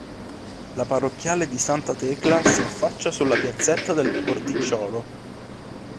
La parrocchiale di Santa Tecla si affaccia sulla piazzetta del porticciolo.